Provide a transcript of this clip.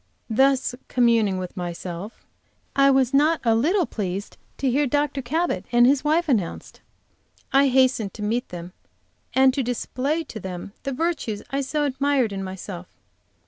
Thus communing with myself, I was not a little pleased to hear Dr. Cabot and his wife announced. I hastened to meet them and to display to them the virtues I so admired in myself.